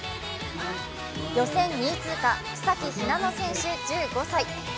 予選２位通過、草木ひなの選手１５歳。